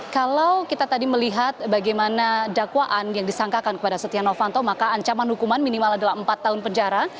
kalau kita tadi melihat bagaimana dakwaan yang disangkakan kepada setia novanto maka ancaman hukuman minimal adalah empat tahun penjara